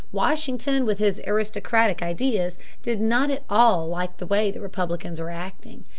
Washington, with his aristocratic ideas, did not at all like the way the Republicans were acting.